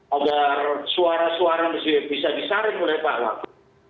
agar suara suara bisa disarin oleh pak wakub